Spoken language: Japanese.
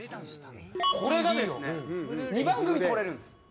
これがですね２番組とれるんです。